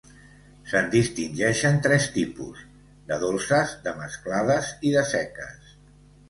Se’n distingeixen tres tipus: de dolces, de mesclades i de seques.